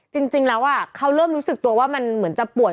จริงแล้วเขาเริ่มรู้สึกตัวว่ามันเหมือนจะป่วย